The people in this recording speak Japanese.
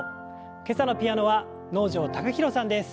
今朝のピアノは能條貴大さんです。